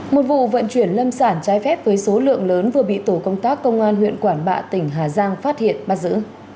một vụ vận chuyển lâm sản trái phép với số lượng lớn vừa bị tổ công tác công an huyện quản bạ tỉnh hà giang phát hiện bắt giữ